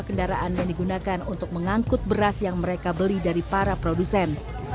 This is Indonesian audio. kendaraan yang digunakan untuk mengangkut beras yang mereka beli dari para produsen